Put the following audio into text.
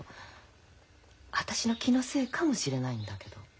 私の気のせいかもしれないんだけど。